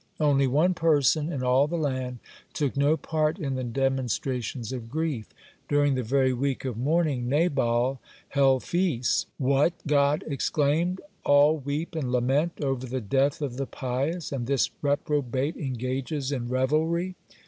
Only one person in all the land took no part in the demonstrations of grief. During the very week of mourning Nabal held feasts. "What!" God exclaimed, "all weep and lament over the death of the pious, and this reprobate engages in revelry!"